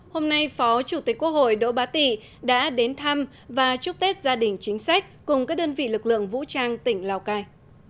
hôm nay phó chủ tịch quốc hội đỗ bá tị đã đến thăm và chúc tết gia đình chính sách cùng các đơn vị lực lượng vũ trang tỉnh lào cai